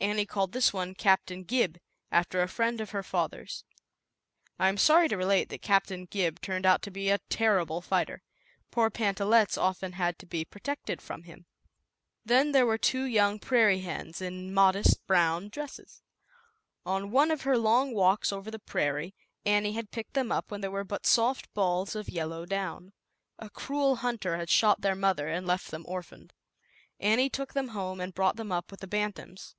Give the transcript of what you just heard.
Annie called this one Captain Gib, after a friend of her father's. i(mln!l!liiM I am sorry to relate that Captain Gib turned out to be a terrible fighter. Poor Pantallettes often had to be pro tected from him. \ X '!', ZAUBERLINDA, THE WISE WITCH. Then there were two young prairie hens, in modest brown dresses. On one of her long walks over the prairie, Annie had picked them up when they were but soft balls of yellow down. A cruel hunter had shot their mother and left them orphaned. Annie took them home T8r 111 and brought them up with the bantams.